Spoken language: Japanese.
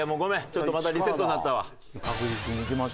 ちょっとまたリセットになったわ。